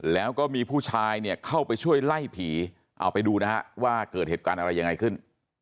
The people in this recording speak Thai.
แล้วก็มีผู้ชายเนี่ยเข้าไปช่วยไล่ผีเอาไปดูนะฮะว่าเกิดเหตุการณ์อะไรยังไงขึ้น